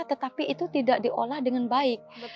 tetapi itu tidak diolah dengan baik